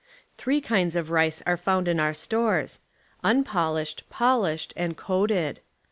Three kinds of rice are found in our stores, "unpolished", "polished" and "coated".